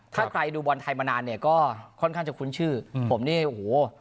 ถ้าใครดูบอลไทยมานานเนี่ยก็ค่อนข้างจะคุ้นชื่อผมนี่โอ้โห